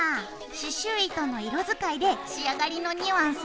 刺しゅう糸の色づかいで仕上がりのニュアンスが変わるよ。